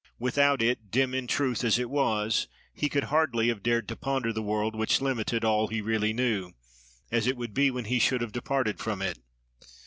Without it, dim in truth as it was, he could hardly have dared to ponder the world which limited all he really knew, as it would be when he should have departed from it.